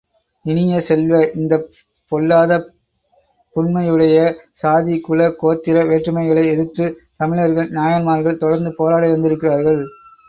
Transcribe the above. இனிய செல்வ, இந்தப் பொல்லாதபுன்மையுடைய சாதி, குல, கோத்திர வேற்றுமைகளை எதிர்த்துத் தமிழர்கள் நாயன்மார்கள் தொடர்ந்து போராடி வந்திருக்கிறார்கள்.